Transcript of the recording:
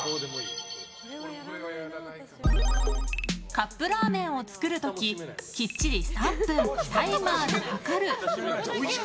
カップラーメンを作る時きっちり３分、タイマーで計る。